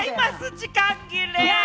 時間切れ！